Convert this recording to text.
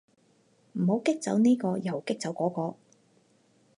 唔好激走呢個又激走嗰個